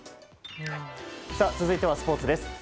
続いてはスポーツです。